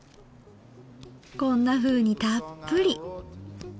こんなふうにたっぷり。